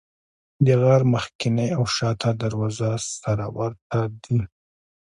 د غار مخکینۍ او شاته دروازه سره ورته دي.